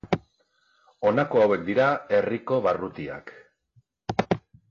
Honako hauek dira herriko barrutiak.